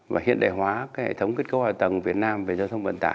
và hiện đại hóa hệ thống kết cấu hạ tầng việt nam về giao thông vận tải